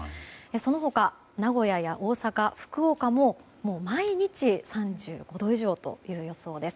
その他、名古屋や大阪、福岡も毎日、３５度以上という予想です。